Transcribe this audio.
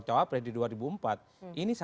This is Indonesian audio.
capres di dua ribu empat ini sangat kaget ya